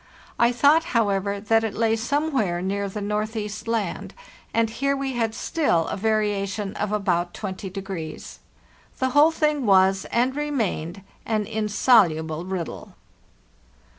I thought, however, that it lay somewhere near the Northeast Land; and here we had still a variation of about 20. The whole thing was, and remained, an insoluble riddle.